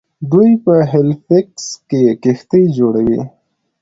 دوی په هیلیفیکس کې کښتۍ جوړوي.